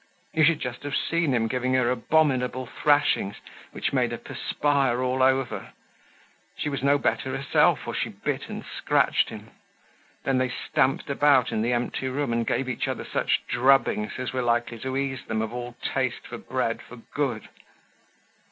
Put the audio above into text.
You should just have seen him giving her abominable thrashings, which made her perspire all over. She was no better herself, for she bit and scratched him. Then they stamped about in the empty room and gave each other such drubbings as were likely to ease them of all taste for bread for good.